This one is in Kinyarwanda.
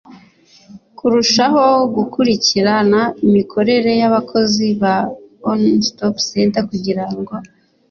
kurushaho gukurikirana imikorere y abakozi ba one stop center kugira ngo